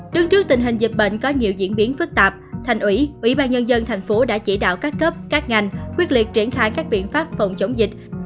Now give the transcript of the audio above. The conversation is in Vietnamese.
đứng trước tình hình dịch bệnh có nhiều diễn biến phức tạp thành ủy ủy ban nhân dân thành phố đã chỉ đạo các cấp các ngành quyết liệt triển khai các biện pháp phòng chống dịch